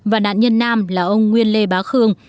và nạn nhân nam là ông nguyên lê bá khương